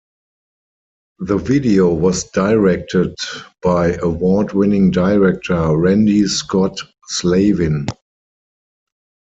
The video was directed by award-winning director Randy Scott Slavin.